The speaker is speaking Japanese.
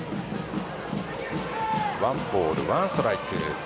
ワンボールワンストライク。